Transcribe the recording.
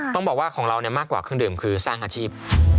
ต้องบอกว่าของเรามากกว่าเครื่องดื่มคือสร้างอาชีพ